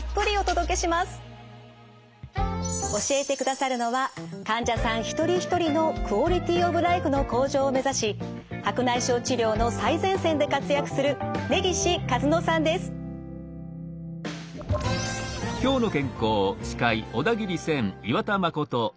教えてくださるのは患者さん一人一人のクオリティー・オブ・ライフの向上を目指し白内障治療の最前線で活躍する根岸一乃さんです。